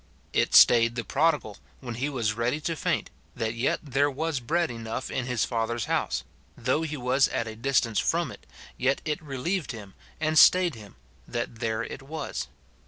It staid the prodigal, when he was *ready to faint, that yet there was bread enough in his father's house ; though he was at a dis tance from it, yet it relieved him, and staid him, that there it was.